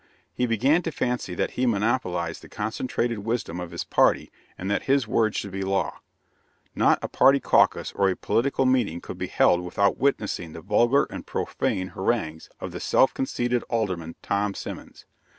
He began to fancy that he monopolized the concentrated wisdom of his party, and that his word should be law. Not a party caucus or a political meeting could be held without witnessing the vulgar and profane harangues of the self conceited Alderman, Tom Simmons.